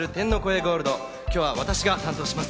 ゴールド、今日は私が担当します。